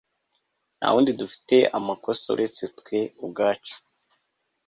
Nta wundi dufite amakosa uretse twe ubwacu